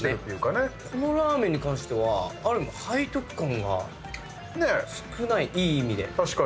このラーメンに関しては背徳感が少ないいい意味で。